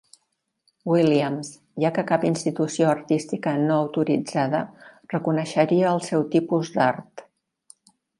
Williams, ja què cap institució artística no autoritzada reconeixeria el seu tipus d"art.